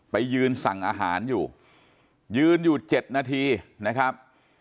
ไปยืนสั่งอาหารอยู่ยืนอยู่๗นาทีนะครับ